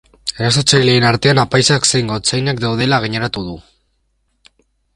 Erasotzaileen artean apaizak zein gotzainak daudela gaineratu du.